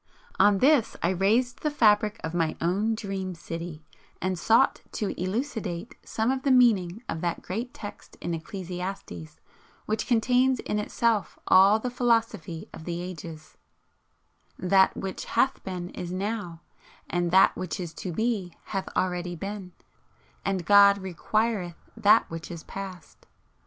On this I raised the fabric of my own "Dream City," and sought to elucidate some of the meaning of that great text in Ecclesiastes which contains in itself all the philosophy of the ages: "That which Hath Been is Now; and that which is To Be hath already Been; and God requireth that which is Past."